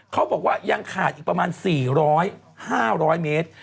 เขาบอกว่ายังขาดอีกประมาณ๔๐๐๕๐๐เมตร